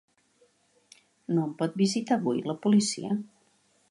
No em pot visitar avui la policia?